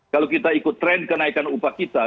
kalau kita ikut tren kenaikan upah kita